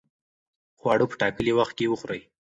خواړه په ټاکلي وخت کې وخورئ.